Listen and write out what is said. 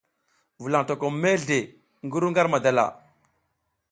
Vulaƞ tokom mezle ngi ru ar madala.